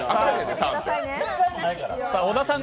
小田さん